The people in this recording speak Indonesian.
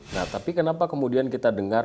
nah tapi kenapa kemudian kita dengar